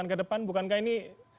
yang kedepan bukankah ini